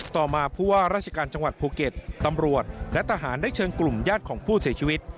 ต่อมาผู้ว่าราชการจังหวัดภูเก็ตตำรวจและทหารได้เชิญกลุ่มญาติของผู้เสียชีวิต